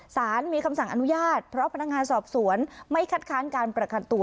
สารมีคำสั่งอนุญาตเพราะพนักงานสอบสวนไม่คัดค้านการประกันตัว